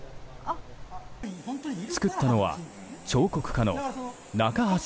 作ったのは彫刻家の中ハシ